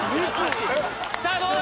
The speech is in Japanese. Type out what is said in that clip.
さぁどうだ？